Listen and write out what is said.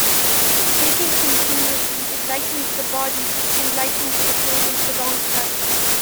Taken continuously it lightens the body, enlightens the soul and prolongs life.